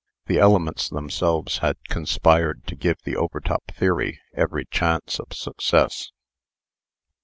The elements themselves had conspired to give the Overtop theory every chance of success.